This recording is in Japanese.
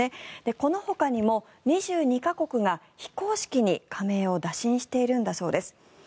このほかにも２２か国が非公式に加盟を打診しているんだそうです。